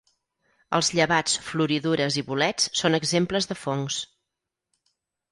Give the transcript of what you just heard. Els llevats, floridures i bolets són exemples de fongs.